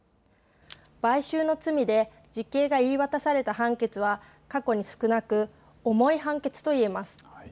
買収の罪で実刑が言い渡された判決は過去に少なく重い判決と言えます。